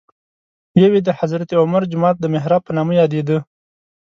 یو یې د حضرت عمر جومات د محراب په نامه یادېده.